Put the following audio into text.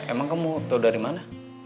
emang kamu tau dari mana